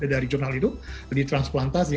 dari jurnal itu ditransplantasi